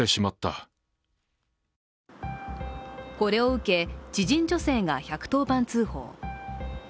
これを受け、知人女性が１１０番通報。